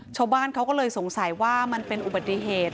ชาวบ้านเขาก็เลยสงสัยว่ามันเป็นอุบัติเหตุ